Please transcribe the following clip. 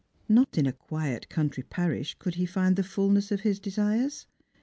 Not in a quiet country parish could he find the fulness of his desires.